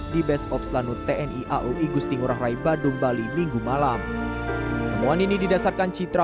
di base of slanut tni aui gusti ngurah rai badung bali minggu malam temuan ini didasarkan citra